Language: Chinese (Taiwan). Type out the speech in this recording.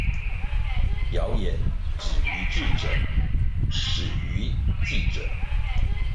謠言止於智者，始於記者